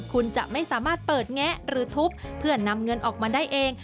คุณจะไม่สามารถเปิดแงะหรือทุบเพื่อนำเงินออกมาได้เอง